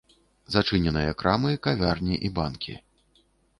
Зачыненыя крамы, кавярні і банкі.